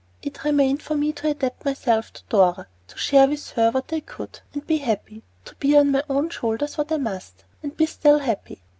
It remained for me to adapt myself to Dora; to share with her what I could, and be happy; to bear on my own shoulders what I must, and be still happy.